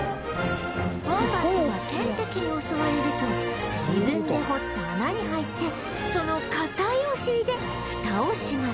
ウォンバットは天敵に襲われると自分で掘った穴に入ってその硬いお尻でフタをします